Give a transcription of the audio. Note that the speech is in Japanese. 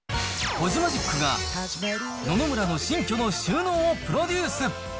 コジマジックが、野々村の新居の収納をプロデュース。